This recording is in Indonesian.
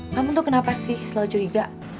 namun tuh kenapa sih selalu curiga